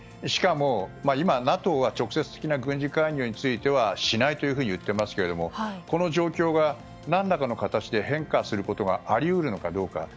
しかも今、ＮＡＴＯは直接的な軍事介入についてはしないというふうに言っていますけれどもこの状況が何らかの形で変化することがあり得るのかどうか。